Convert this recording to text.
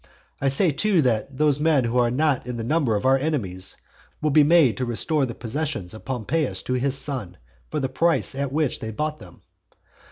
I say, too, that those men who are not in the number of our enemies, will be made to restore the possessions of Pompeius to his son for the price at which they bought them.